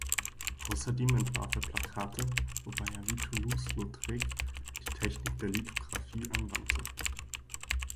Außerdem entwarf er Plakate, wobei er wie Toulouse-Lautrec die Technik der Lithografie anwandte.